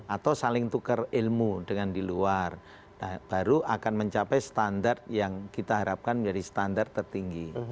atau saling tukar ilmu dengan di luar baru akan mencapai standar yang kita harapkan menjadi standar tertinggi